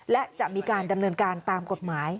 และจะมีการดำเนินการตามกฎหมาย